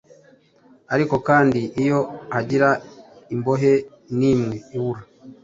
Ariko kandi iyo hagira imbohe n’imwe ibura,